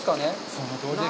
そのとおりです。